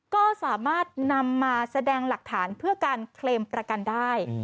ก็สามารถนำมาแสดงหลักฐานเพื่อการเคลมประกันได้